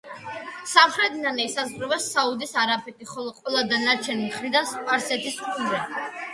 სამხრეთიდან ესაზღვრება საუდის არაბეთი, ხოლო ყველა დანარჩენი მხრიდან სპარსეთის ყურე.